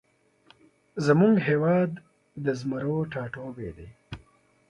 زمونږ هیواد د زمرو ټاټوبی دی